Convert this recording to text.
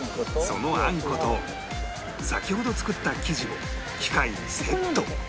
そのあんこと先ほど作った生地を機械にセット